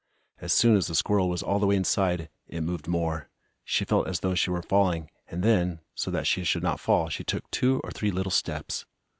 As soon as the squirrel was all the way inside, it moved more. She felt as though she were falling and then, so that she should not fall, she took two or three little steps.